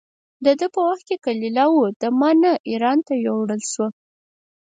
د ده په وخت کې کلیله و دمنه اېران ته یووړل شوه.